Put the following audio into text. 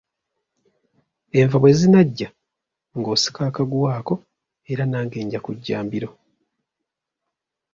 Enva bwe zinaggya ng'osika akaguwa ako era nange nja kujja mbiro.